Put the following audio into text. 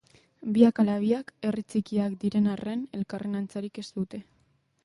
Biak ala biak herri txikiak diren arren elkarren antzarik ez dute.